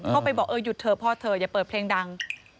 เข้าไปบอกเออหยุดเถอะพ่อเถอะอย่าเปิดเพลงดัง